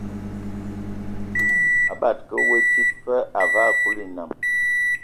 A bade ka we tsid fa, a vaa Kulu enam.